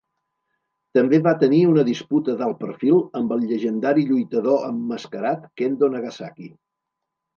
També va tenir una disputa d'alt perfil amb el llegendari lluitador emmascarat Kendo Nagasaki.